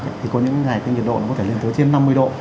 thì có những ngày cái nhiệt độ có thể lên tới trên năm mươi độ